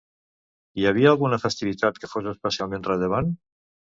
Hi havia alguna festivitat que fos especialment rellevant?